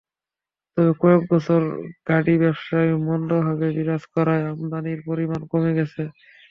তবে কয়েক বছর গাড়ি ব্যবসায় মন্দাভাব বিরাজ করায় আমদানির পরিমাণ কমে গেছে।